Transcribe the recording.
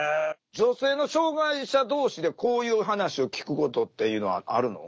女性の障害者同士でこういう話を聞くことっていうのはあるの？